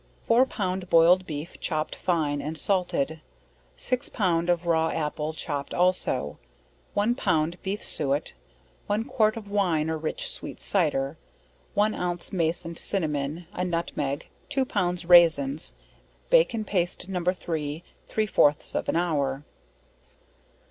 Four pound boild beef, chopped fine; and salted; six pound of raw apple chopped also, one pound beef suet, one quart of Wine or rich sweet cyder, one ounce mace, and cinnamon, a nutmeg, two pounds raisins, bake in paste No. 3, three fourths of an hour.